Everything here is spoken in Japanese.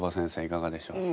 いかがでしょう？